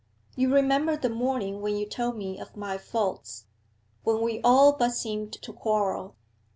You remember the morning when you told me of my faults, when we all but seemed to quarrel?